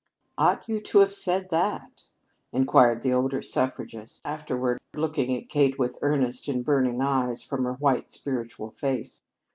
"Ought you to have said that?" inquired the older suffragist, afterward looking at Kate with earnest and burning eyes from her white spiritual face.